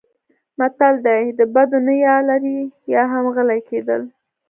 متل دی: د بدو نه یا لرې یا هم غلی کېدل.